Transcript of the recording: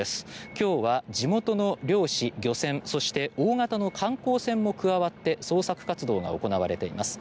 今日は地元の漁師、漁船そして大型の観光船も加わって捜索活動が行われています。